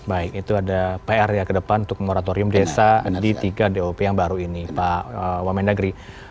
baik itu ada pr ya ke depan untuk moratorium desa di tiga dop yang baru ini pak wamendagri